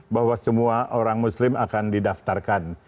bahwa semua orang muslim akan didaftarkan